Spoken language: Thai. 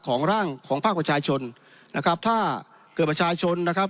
ของร่างของภาคประชาชนนะครับถ้าเกิดประชาชนนะครับ